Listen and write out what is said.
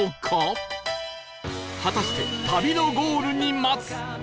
果たして旅のゴールに待つ